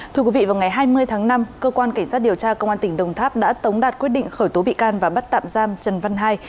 thưa quý vị vào ngày hai mươi tháng năm cơ quan cảnh sát điều tra công an tỉnh đồng tháp đã tống đạt quyết định khởi tố bị can và bắt tạm giam trần văn hai